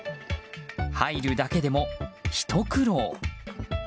入るだけでも、ひと苦労。